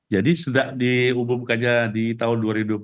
jadi sudah diubah buka aja di tahun dua ribu dua puluh tiga